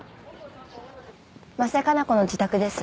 真瀬加奈子の自宅です。